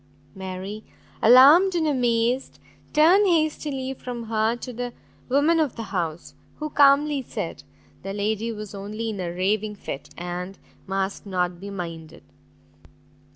Mary, alarmed and amazed, turned hastily from her to the woman of the house, who calmly said, the lady was only in a raving fit, and must not be minded.